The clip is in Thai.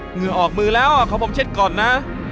เหงื่อออกมือแล้วขอผมเช็ดก่อนนะ